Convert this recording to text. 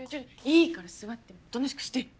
いいから座っておとなしくして。